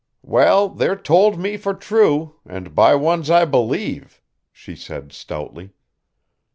"Well, they're told me for true, and by ones I believe," she said stoutly.